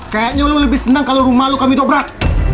kayaknya lo lebih senang kalo rumah nglamuk dagu berat